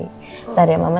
bentar ya mama